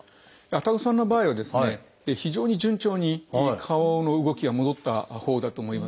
愛宕さんの場合はですね非常に順調に顔の動きが戻ったほうだと思います。